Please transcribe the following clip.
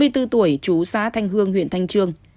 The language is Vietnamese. hai mươi bốn tuổi chú xã thanh hương huyện thanh trương